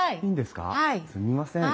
すみません。